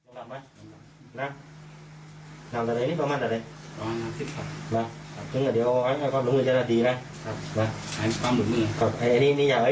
นี่ไงน่ะจริงจังหรือ